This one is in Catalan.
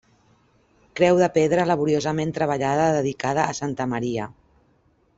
Creu de pedra laboriosament treballada dedicada a Santa Maria.